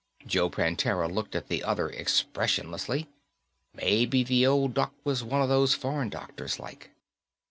Joe Prantera looked at the other expressionlessly. Maybe the old duck was one of these foreign doctors, like.